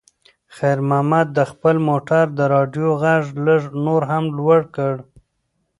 خیر محمد د خپل موټر د راډیو غږ لږ نور هم لوړ کړ.